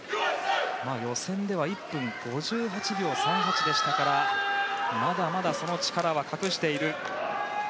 予選では１分５８秒３８でしたからまだまだその力は隠している。